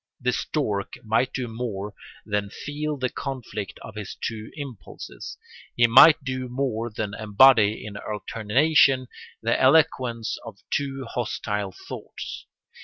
The stork might do more than feel the conflict of his two impulses, he might do more than embody in alternation the eloquence of two hostile thoughts.